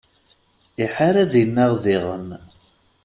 Iḥar ad inaɣ diɣen.